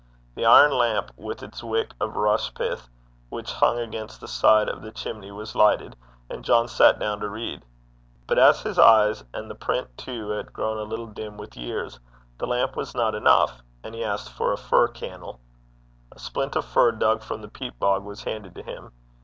The iron lamp, with its wick of rush pith, which hung against the side of the chimney, was lighted, and John sat down to read. But as his eyes and the print, too, had grown a little dim with years, the lamp was not enough, and he asked for a 'fir can'le.' A splint of fir dug from the peat bog was handed to him.